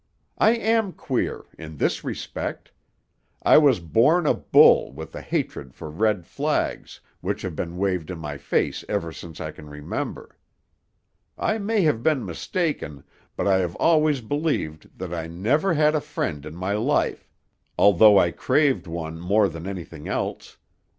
I am queer; in this respect: I was born a bull with a hatred for red flags, which have been waved in my face ever since I can remember. I may have been mistaken, but I have always believed that I never had a friend in my life, although I craved one more than anything else.